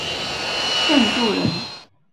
郑注人。